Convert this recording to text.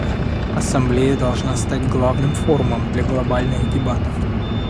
Ассамблея должна стать главным форумом для глобальных дебатов.